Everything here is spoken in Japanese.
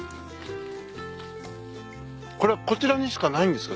これはこちらにしかないんですか？